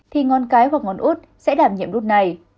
thì ngón cái hoặc ngón út sẽ đảm nhiệm lúc này